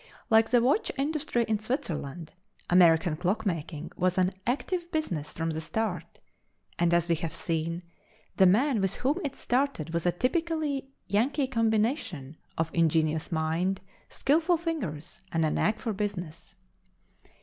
Like the watch industry in Switzerland, American clock making was an active business from the start, and, as we have seen, the man with whom it started was a typically Yankee combination of ingenious mind, skilful fingers, and a knack for business.